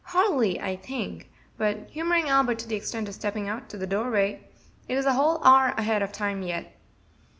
"Hardly, I think;" but humoring Albert to the extent of stepping out on to the door step; "it is a whole hour ahead of time yet."